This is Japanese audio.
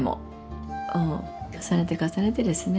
重ねて重ねてですね